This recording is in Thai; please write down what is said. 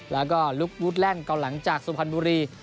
แล้วก็ลุกวุฒิแร่งก่อนหลังจากสมพันธ์บุรี